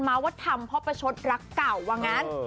ว่าทำเพราะประชดรักเก่าว่างั้น